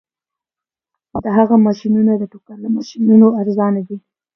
د هغه ماشینونه د ټوکر له ماشینونو ارزانه دي